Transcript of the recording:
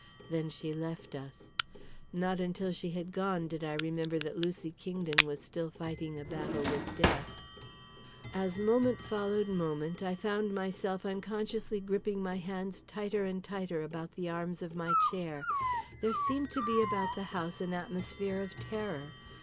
Then she left us. Not until she had gone did I remember that Lucy Kingdon was still fighting a battle with death. As moment followed moment, I found myself unconsciously gripping my hands tighter and tighter about the arms of my chair. There seemed to be about the house an atmosphere of terror.